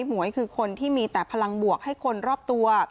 หวยคือคนที่มีแต่พลังบวกให้คนรอบตัว